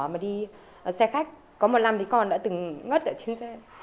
mà đi xe khách có một năm thì con đã từng ngất ở trên xe